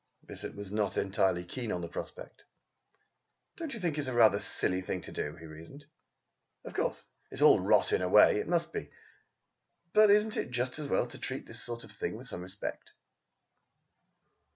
Bissett was not exactly keen on the prospect. "Don't you think it is rather a silly thing to do?" he reasoned. "Of course it's all rot in a way it must be. But isn't it just as well to treat that sort of thing with respect?"